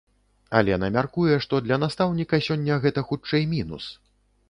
Алена мяркуе, што для настаўніка сёння гэта хутчэй мінус.